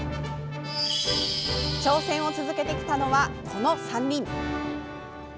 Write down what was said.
挑戦を続けてきたのは、この３人。